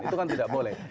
itu kan tidak boleh